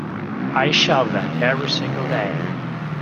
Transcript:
I shout that every single day!